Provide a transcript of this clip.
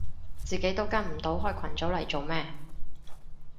自己都跟唔到開群組嚟做咩